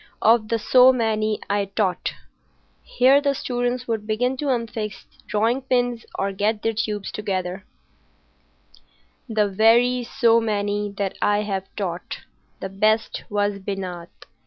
Of the so many I taught,"—here the students would begin to unfix drawing pins or get their tubes together,—"the very so many that I have taught, the best was Binat.